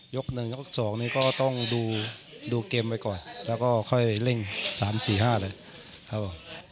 ๑ยก๒นี่ก็ต้องดูเกมไว้ก่อนแล้วก็ค่อยเร่ง๓๔๕เลยครับผม